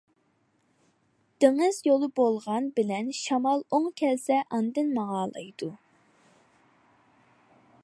دېڭىز يولى بولغان بىلەن شامال ئوڭ كەلسە ئاندىن ماڭالايدۇ.